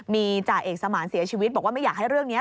มีจ่าเอกสมานเสียชีวิตบอกว่าไม่อยากให้เรื่องนี้